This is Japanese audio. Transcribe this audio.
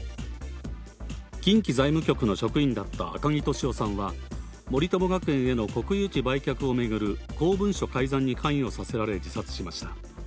近畿財務局の職員だった赤木俊夫さんは、森友学園への国有地売却を巡る公文書改ざんに関与させられ自殺しました。